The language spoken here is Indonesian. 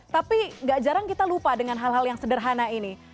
tapi gak jarang kita lupa dengan hal hal yang sederhana ini